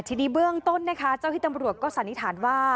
ทีนี้เบื้องต้นนะคะเจ้าที่ตำรวจก็สันนิษฐานว่า